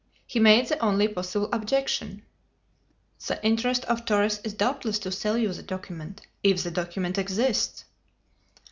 He made the only possible objection. "The interest of Torres is doubtless to sell you the document if the document exists."